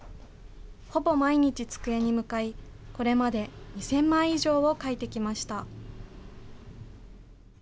ほぼ毎日机に向かい、これまで２０００枚以上を描いてきました。